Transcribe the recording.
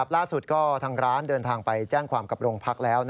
ล่าสุดก็ทางร้านเดินทางไปแจ้งความกับโรงพักแล้ว